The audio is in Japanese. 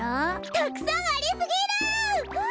たくさんありすぎるわあ！